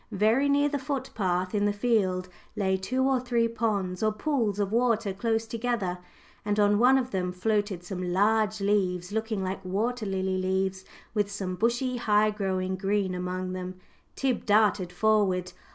Very near the foot path in the field lay two or three ponds or pools of water close together, and on one of them floated some large leaves looking like water lily leaves, with some bushy high growing green among them. Tib darted forward.